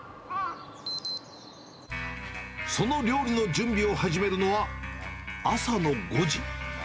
その料理の準備を始めるのは、朝の５時。